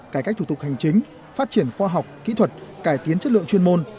cải cách thủ tục hành chính phát triển khoa học kỹ thuật cải tiến chất lượng chuyên môn